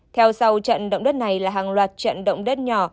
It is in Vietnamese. theo sau trận động đất này là hàng loạt trận động đất nhỏ